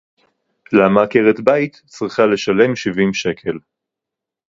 למה עקרת בית צריכה לשלם שבעים שקל